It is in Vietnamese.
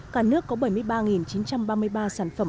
cả nước có bảy mươi ba chín trăm ba mươi ba sản phẩm